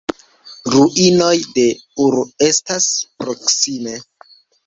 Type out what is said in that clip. Ruinoj de Ur estas proksime.